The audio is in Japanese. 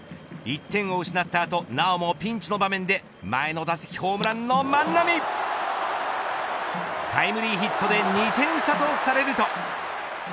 １点を失った後なおもピンチの場面で前の打席ホームランの万波タイムリーヒットで２点差とされると。